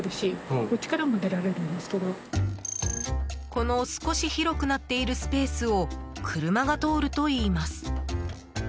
この少し広くなっているスペースを車が通るといいます。